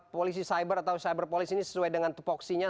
polisi cyber atau cyberpolis ini sesuai dengan tepoksinya